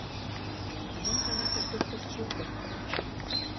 — А мом каласыш доктыр Чилтон?